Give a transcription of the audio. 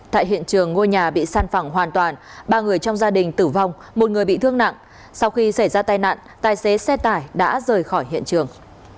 tại hiện trường ngôi nhà bị săn phẳng hoàn toàn ba người trong gia đình tử vong một người bị thương nặng sau khi xảy ra tai nạn tài xế xe tải đã rời khỏi hiện trường